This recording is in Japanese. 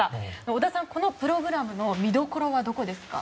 織田さん、このプログラムの見どころはどこですか？